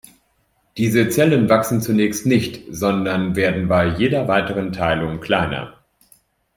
Diese Zellen wachsen zunächst nicht, sondern werden bei jeder weiteren Teilung kleiner.